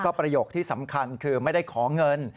ประโยคที่สำคัญคือไม่ได้ขอเงิน